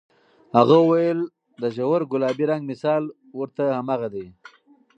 هغه وویل، د ژور ګلابي رنګ مثال ورته هماغه دی.